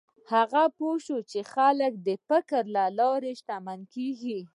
هغه پوه شو چې خلک د فکر له لارې شتمن کېږي.